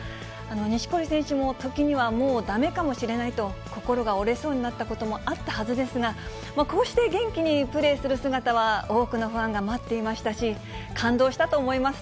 錦織選手も時には、もうだめかもしれないと、心が折れそうになったこともあったはずですが、こうして元気にプレーする姿は、多くのファンが待っていましたし、感動したと思います。